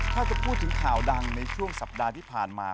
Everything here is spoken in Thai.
ถ้าจะพูดถึงข่าวดังในช่วงสัปดาห์ที่ผ่านมา